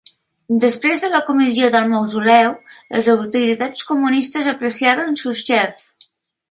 Després de la comissió del mausoleu, les autoritats comunistes apreciaven a Shchusev.